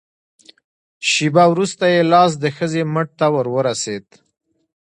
شېبه وروسته يې لاس د ښځې مټ ته ور ورسېد.